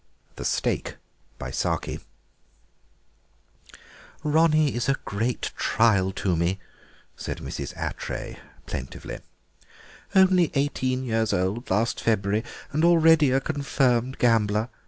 THE STAKE "Ronnie is a great trial to me," said Mrs. Attray plaintively. "Only eighteen years old last February and already a confirmed gambler.